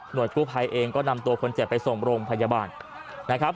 โดยกู้ภัยเองก็นำตัวคนเจ็บไปส่งโรงพยาบาลนะครับ